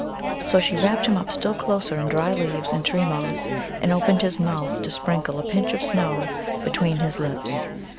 So she wrapped him up still closer in dry leaves and tree moss, and opened his mouth to sprinkle a pinch of snow between his lips.